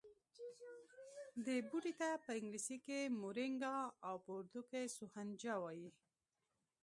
دې بوټي ته په انګلیسي مورینګا او په اردو سوهنجنا وايي